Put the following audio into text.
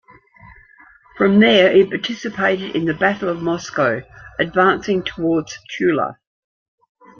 From there it participated in the Battle of Moscow, advancing towards Tula.